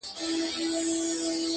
په رڼا ورځ چي په عصا د لاري څرک لټوي.!